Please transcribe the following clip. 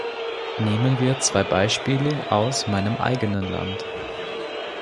Nehmen wir zwei Beispiele aus meinem eigenen Land.